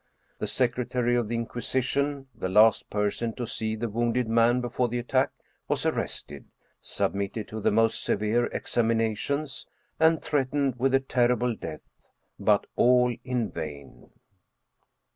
The Secretary of the Inquisition, the last person to see the wounded man before the attack, was arrested, submitted to the most se vere examinations, and threatened with a terrible death. But all in vain.